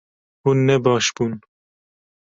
Hûn ne baş bûn